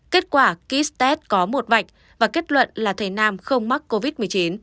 kết quả kit test có một vạch và kết luận là thầy nam không mắc covid một mươi chín